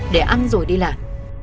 để ăn rồi đi làm